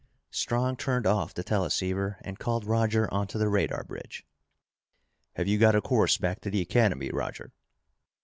Strong turned off the teleceiver and called Roger onto the radar bridge. "Have you got a course back to the Academy, Roger?"